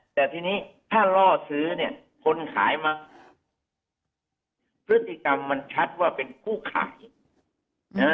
แต่ทีนี้ถ้าล่อซื้อเนี่ยคนขายมั้งพฤติกรรมมันชัดว่าเป็นผู้ขายนะฮะ